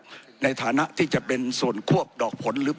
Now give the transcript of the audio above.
ผมจะขออนุญาตให้ท่านอาจารย์วิทยุซึ่งรู้เรื่องกฎหมายดีเป็นผู้ชี้แจงนะครับ